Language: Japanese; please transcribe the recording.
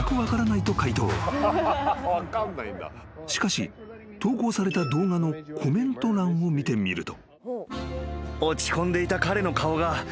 ［しかし投稿された動画のコメント欄を見てみると］